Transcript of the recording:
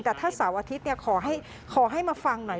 แต่ถ้าเสาร์อาทิตย์ขอให้มาฟังหน่อย